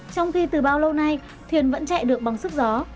trong khi từ bao lâu nay thuyền vẫn chạy được bằng sức gió